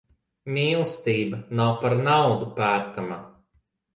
Mīlestība nav par naudu pērkama.